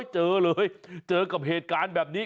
เจอเลยเจอกับเหตุการณ์แบบนี้